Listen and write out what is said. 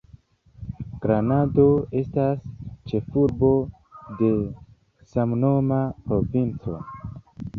Granado estas ĉefurbo de samnoma provinco.